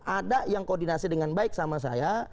ada yang koordinasi dengan baik sama saya